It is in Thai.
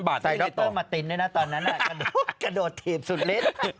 จบใส่ดร็อตเตอร์มาติ้นด้วยนะตอนนั้นน่ะกระโดดถีบสุดฤทธิ์